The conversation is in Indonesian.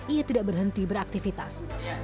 ia tidak berhenti beraktifitas